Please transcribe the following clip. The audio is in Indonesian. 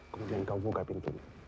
kemudian kamu buka pintunya